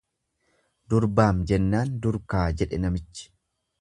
Durbaam jennaan durkaa jedhe namichi.